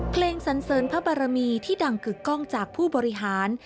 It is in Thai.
สันเสริญพระบารมีที่ดังกึกกล้องจากผู้บริหาร